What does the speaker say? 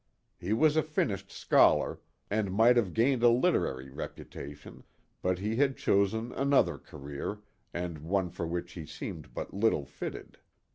He was a finished scholar, and might have gained a literary reputation; but he had chosen another career, and one for which he seemed but little fitted.